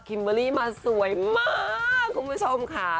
เบอร์รี่มาสวยมากคุณผู้ชมค่ะ